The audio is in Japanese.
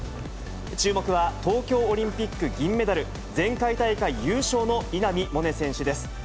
注目は東京オリンピック銀メダル、前回大会優勝の稲見萌寧選手です。